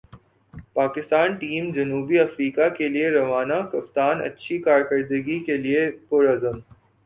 Pakistan team جنوبی افریقہ کیلئے روانہ کپتان اچھی کارکردگی کیلئے پر عزم